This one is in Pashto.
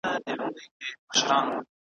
د شته من مړی یې تل غوښتی له خدایه `